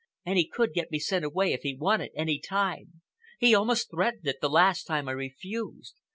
And he could get me sent away, if he wanted, any time. He almost threatened it, the last time I refused.